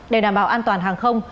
để đảm bảo an toàn hàng không